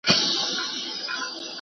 زما کلی،